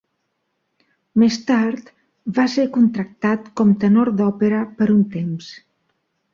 Més tard va ser contractat com tenor d'òpera per un temps.